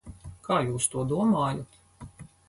Kā jūs to domājat?